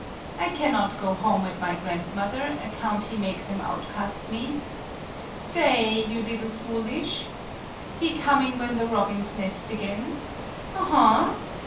I cannot go home at my grandmother, account he make them outcast me. Sa ay, you liddle foolish ! He coming when the robins nest again. Aha!